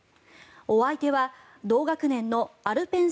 お相手は同学年のアルペン